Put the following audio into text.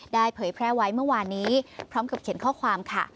เผยแพร่ไว้เมื่อวานนี้พร้อมกับเขียนข้อความค่ะ